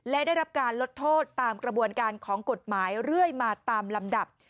และได้รับการลดโทษตามกระบวนการของกฎหมายเรื่อยมาตามลำดับ